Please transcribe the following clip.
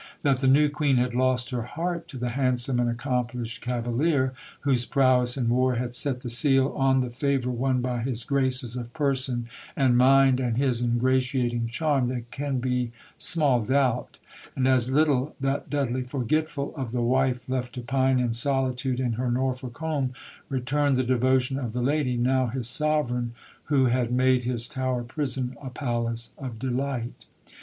That the new Queen had lost her heart to the handsome and accomplished cavalier, whose prowess in war had set the seal on the favour won by his graces of person and mind and his ingratiating charm, there can be small doubt; and as little that Dudley, forgetful of the wife left to pine in solitude in her Norfolk home, returned the devotion of the lady, now his Sovereign, who had made his Tower prison a palace of delight.